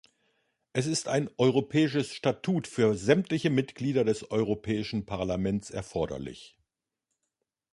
Es ist ein europäisches Statut für sämtliche Mitglieder des Europäischen Parlaments erforderlich.